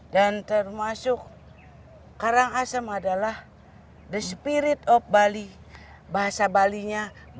dan termasuk karangasem adalah the spirit of bali bahasa balinya bali